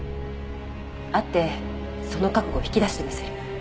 会ってその覚悟引き出してみせる。